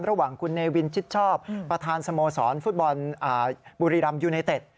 ระหว่างคุณเนวินชิดชอบประธานสโมสรฟุตบอลบุรีรำยูไนเต็ด